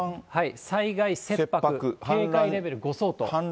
災害切迫、警戒レベル５相当。